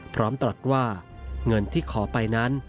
ตรัสว่าเงินที่ขอไปนั้น